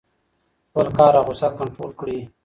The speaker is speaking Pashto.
خپل قهر او غوسه کنټرول کړئ.